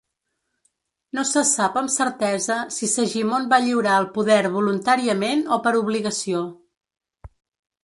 No se sap amb certesa si Segimon va lliurar el poder voluntàriament o per obligació.